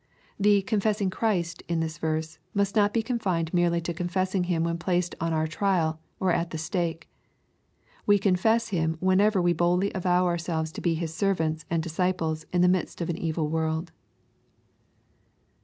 The "confessing Christ" in this verse must not be confined merely to confessing Him when placed on our trial, or at ihe stake. We confess Him whenever we boldly avow ourselves to be His servants and disciples in the midst of an evil world.